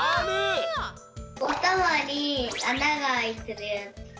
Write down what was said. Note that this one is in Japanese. おたまにあながあいてるやつ。